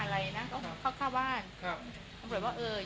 ตำรวจมันก็พูดไม่ค่อยดีนะ